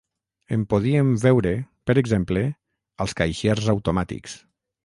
En podíem veure, per exemple, als caixers automàtics.